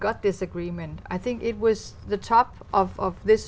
và tôi rất vui khi chúng tôi có thể tiếp tục